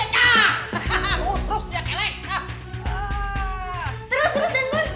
lebih hebat lagi kalau syuting